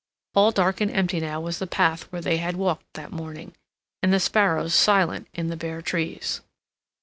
All dark and empty now was the path where they had walked that morning, and the sparrows silent in the bare trees.